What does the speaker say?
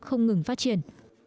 không ngừng phát triển